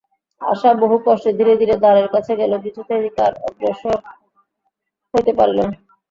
আশা বহুকষ্টে ধীরে ধীরে দ্বারের কাছে গেল, কিছুতেই আর অগ্রসর হইতে পারিল না।